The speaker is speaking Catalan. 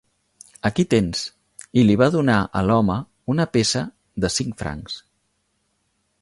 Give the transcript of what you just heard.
"Aquí tens", i li va donar a l'home una peça de cinc francs.